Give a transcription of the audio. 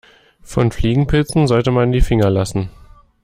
Von Fliegenpilzen sollte man die Finger lassen.